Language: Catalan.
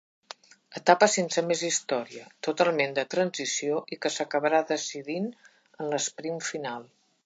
Etapa sense més història, totalment de transició i que s'acabà decidint en l'esprint final.